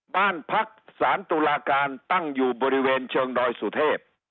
บ้านพักสารตุลาการตั้งอยู่บริเวณเชิงดอยสุเทพ